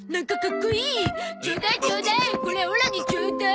これオラにちょうだい！